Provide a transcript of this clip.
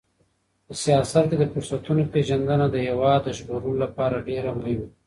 په سیاست کې د فرصتونو پیژندنه د هېواد د ژغورلو لپاره ډېره مهمه ده.